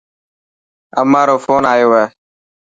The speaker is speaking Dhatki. امان رو فون آيو هي.